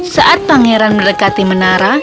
saat pangeran mendekati menara